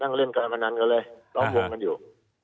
นั่งเร่งการพนันกันเลยเพราะปรุงนั้นอยู่